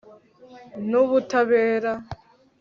n'ubutabera